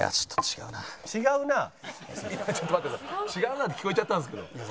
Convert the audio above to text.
「違うな」って聞こえちゃったんですけど。